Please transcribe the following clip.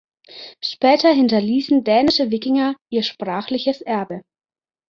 Später hinterließen dänische Wikinger ihr sprachliches Erbe.